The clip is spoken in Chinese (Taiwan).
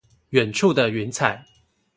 遠處的雲彩